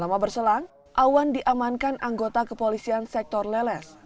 tak lama berselang awan diamankan anggota kepolisian sektor leles